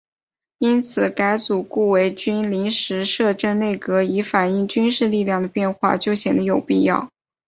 因此改组顾维钧临时摄政内阁以反映军事力量的变化就显得有必要。